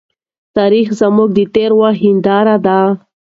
تاريخ زموږ د تېر وخت هنداره ده.